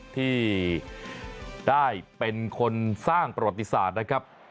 ที่ได้เป็นคนสร้างประวัติศาสตร์นะครับ